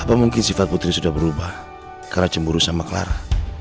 apa mungkin sifat putri sudah berubah karena cemburu sama clara